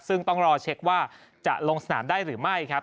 ซึ่งต้องรอเช็คว่าจะลงสนามได้หรือไม่ครับ